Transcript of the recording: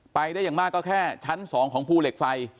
ไปได้อย่างมากก็แค่ชั้น๒ของภูเหล็กไฟ